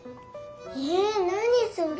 え何それ？